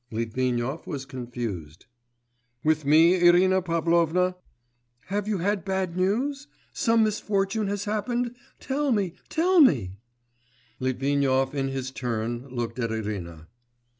Litvinov was confused. 'With me, Irina Pavlovna?' 'Have you had bad news? Some misfortune has happened, tell me, tell me ' Litvinov in his turn looked at Irina.